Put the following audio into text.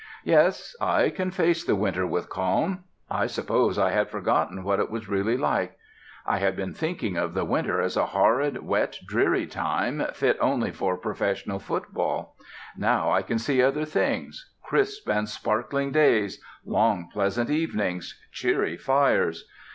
Yes, I can face the winter with calm. I suppose I had forgotten what it was really like. I had been thinking of the winter as a horrid wet, dreary time fit only for professional football. Now I can see other things crisp and sparkling days, long pleasant evenings, cheery fires.